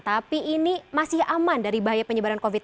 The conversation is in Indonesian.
tapi ini masih aman dari bahaya penyebaran covid sembilan